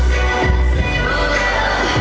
สวัสดีครับ